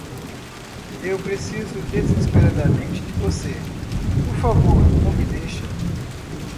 Eu preciso desesperadamente de você, por favor não me deixa